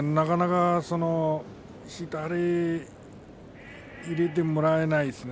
左を入れてもらえないですね。